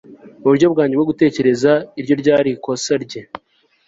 Muburyo bwanjye bwo gutekereza iryo ryari ikosa rye